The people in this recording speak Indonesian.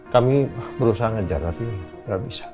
kami berusaha ngejar tapi nggak bisa